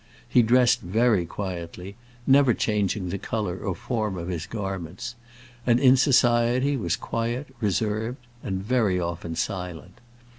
He dressed very quietly, never changing the colour or form of his garments; and in society was quiet, reserved, and very often silent.